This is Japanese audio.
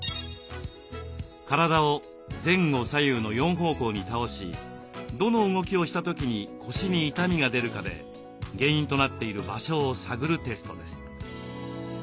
体を前後左右の４方向に倒しどの動きをした時に腰に痛みが出るかで原因となっている場所を探るテストです。